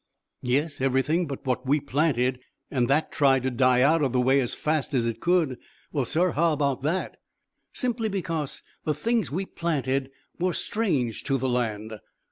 "Yes; everything but what we planted, and that tried to die out of the way as fast as it could. Well, sir, how was that?" "Simply because the things we planted were strange to the land.